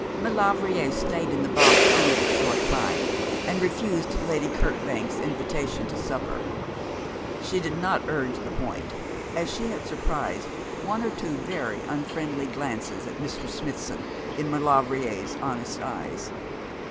Maulevrier stayed in the box only a short time, and refused Lady Kirkbank's invitation to supper. She did not urge the point, as she had surprised one or two very unfriendly glances at Mr. Smithson in Maulevrier's honest eyes.